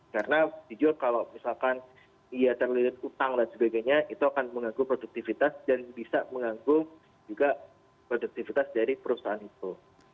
karena jujur kalau misalkan ia terlalu utang dan sebagainya itu akan menganggung produktivitas dan bisa menganggung juga produktivitas dari perusahaan itu